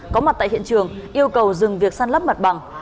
có mặt tại hiện trường yêu cầu dừng việc săn lấp mặt bằng